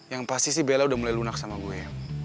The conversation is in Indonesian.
yang pasti sih bella udah mulai lunak sama gue